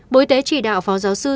bộ y tế chỉ đạo phó giáo sư